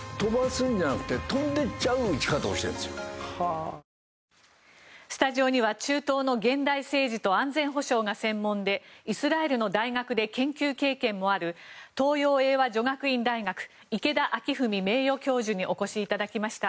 お申込みはスタジオには中東の現代政治と安全保障が専門でイスラエルの大学で研究経験もある東洋英和女学院大学池田明史名誉教授にお越しいただきました。